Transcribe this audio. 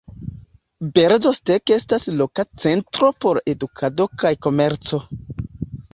Brzostek estas loka centro por edukado kaj komerco.